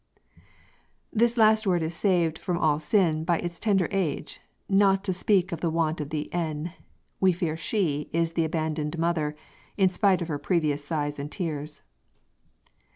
This last word is saved from all sin by its tender age, not to speak of the want of the n. We fear "she" is the abandoned mother, in spite of her previous sighs and tears.